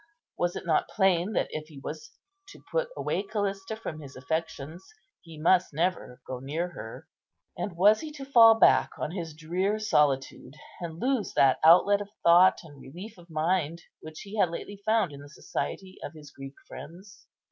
Was it not plain that if he was to put away Callista from his affections, he must never go near her? And was he to fall back on his drear solitude, and lose that outlet of thought and relief of mind which he had lately found in the society of his Greek friends?